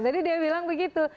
tadi dia bilang begitu